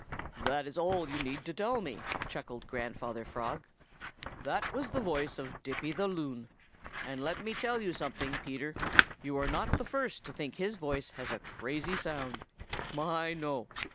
"That is all you need tell me," chuckled Grandfather Frog. "That was the voice of Dippy the Loon. And let me tell you something, Peter: you are not the first one to think his voice has a crazy sound. Oh, my, no!